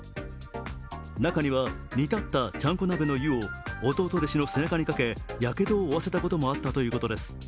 中には煮立ったちゃんこ鍋の湯を弟弟子の背中にかけやけどを負わせたこともあったということです。